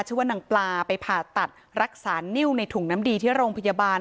ชื่อว่านางปลาไปผ่าตัดรักษานิ้วในถุงน้ำดีที่โรงพยาบาล